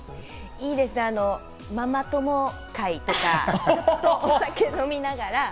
いいですね、ママ友会とか、お酒飲みながら。